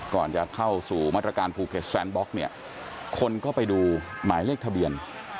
ก่อนจะเข้าสู่มาตรการภูเก็ตแซนบล็อกเนี่ยคนก็ไปดูหมายเลขทะเบียน